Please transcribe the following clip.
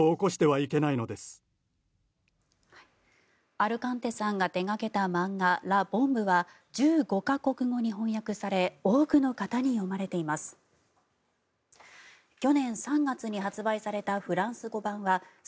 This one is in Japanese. アルカンテさんが手掛けた漫画「ラ・ボンブ」は１５か国語に翻訳され多くの方に読まれています。